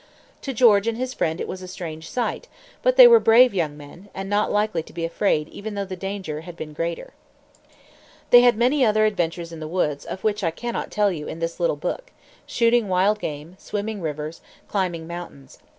To George and his friend it was a strange sight; but they were brave young men, and not likely to be afraid even though the danger had been greater. They had many other adventures in the woods of which I cannot tell you in this little book shooting wild game, swimming rivers, climbing mountains.